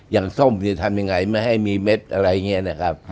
ส้มจะทำยังไงไม่ให้มีเม็ดอะไรอย่างนี้นะครับ